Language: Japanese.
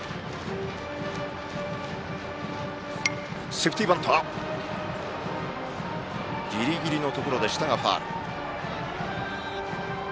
セーフティーバントギリギリのところでしたがファウル。